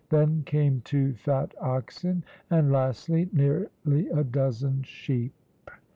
Then came two fat oxen and lastly, nearly a dozen sheep.